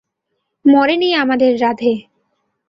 মরে নি আমাদের রাধে।